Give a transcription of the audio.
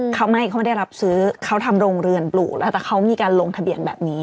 เขาไม่เขาไม่ได้รับซื้อเขาทำโรงเรือนปลูกแล้วแต่เขามีการลงทะเบียนแบบนี้